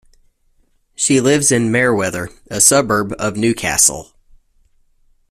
She lives in Merewether, a suburb of Newcastle.